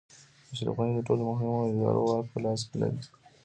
اشرف غني د ټولو مهمو ادارو واک په لاس کې لري.